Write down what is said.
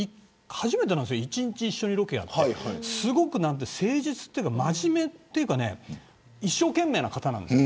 初めて一日一緒にロケをやってすごく誠実というか真面目というか一生懸命な方なんです。